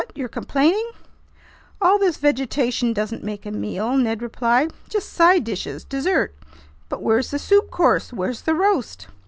You're complaining?" "All this vegetation doesn't make a meal," Ned replied. "Just side dishes, dessert. But where's the soup course? Where's the roast?"